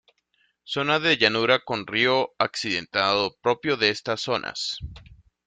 Zona de llanura con río accidentado propio de estas zonas.